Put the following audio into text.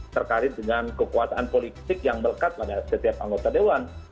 terkait dengan kekuasaan politik yang melekat pada setiap anggota dewan